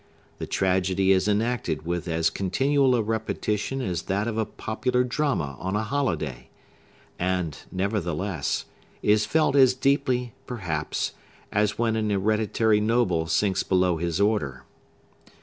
The tragedy is enacted with as continual a repetition as that of a popular drama on a holiday, and, nevertheless, is felt as deeply, perhaps, as when an hereditary noble sinks below his order.